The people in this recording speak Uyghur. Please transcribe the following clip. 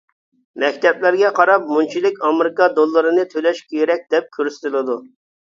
مەكتەپلەرگە قاراپ مۇنچىلىك ئامېرىكا دوللىرىنى تۆلەش كېرەك دەپ كۆرسىتىلىدۇ.